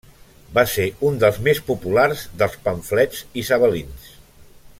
Va ser un dels més populars dels pamflets isabelins.